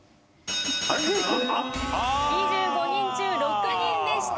２５人中６人でした。